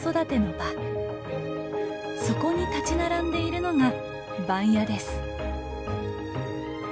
そこに立ち並んでいるのが番屋です。